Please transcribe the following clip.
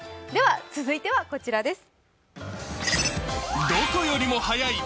続いてはこちらです。